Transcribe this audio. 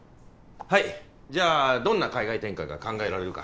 はいじゃあどんな海外展開が考えられるか。